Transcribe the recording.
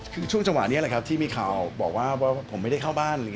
คือช่วงจังหวะนี้แหละครับที่มีข่าวบอกว่าผมไม่ได้เข้าบ้าน